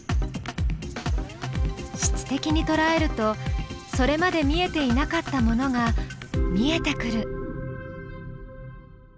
質的にとらえるとそれまで見えていなかったものが見えてくる。